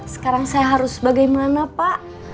sekarang saya harus bagaimana pak